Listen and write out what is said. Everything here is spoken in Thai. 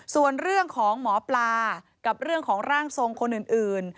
ส่วนเรื่องของหมอปลากับเรื่องของร่างทรงคนอื่น